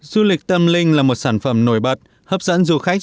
du lịch tâm linh là một sản phẩm nổi bật hấp dẫn du khách